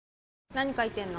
何書いてんの？